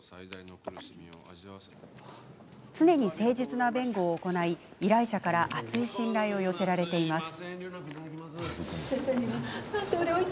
常に誠実な弁護を行い依頼者から厚い信頼を寄せられています。